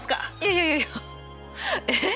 いやいやいやえっ？